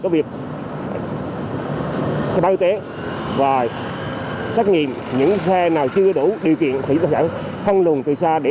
các việc cơ bản y tế và xác nghiệm những xe nào chưa đủ điều kiện thì chúng ta sẽ phân lùng từ xa để